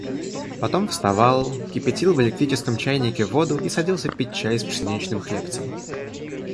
Потом вставал, кипятил в электрическом чайнике воду и садился пить чай с пшеничным хлебцем.